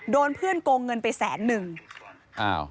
โดนเพื่อนโกงเงินไปแสนหนึ่งอ้าว